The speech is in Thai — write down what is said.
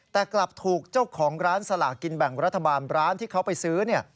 แต่กลับถูกเจ้าของร้านสลากินแบ่งรัฐบาลร้านที่เขาไปซื้อ